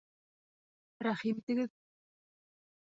— Рәхим итегеҙ.